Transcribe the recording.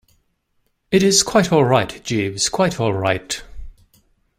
It is quite all right, Jeeves, quite all right.